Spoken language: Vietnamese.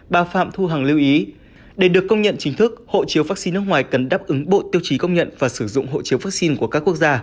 bà phạm thu hằng lưu ý để được công nhận chính thức hộ chiếu vaccine nước ngoài cần đáp ứng bộ tiêu chí công nhận và sử dụng hộ chiếu vaccine của các quốc gia